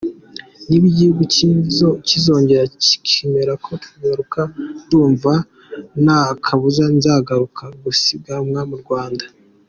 Niba igihugu cyizongera kikemera ko tugaruka ndumva nta kabuza nzagaruka gusiganwa mu Rwanda.